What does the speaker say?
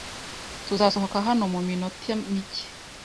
Tuzasohoka hano muminota mike.